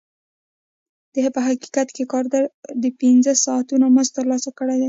په حقیقت کې کارګر د پنځه ساعتونو مزد ترلاسه کړی دی